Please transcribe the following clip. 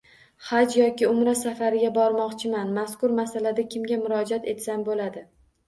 "Haj" yoki "Umra" safariga bormoqchiman, mazkur masalada kimga murojaat etsam bo‘ladi?